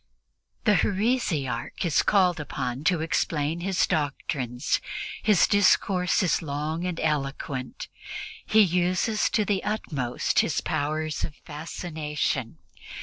The heresiarch is called upon to explain his doctrines. His discourse is long and eloquent. He uses to the utmost his powers of fascination.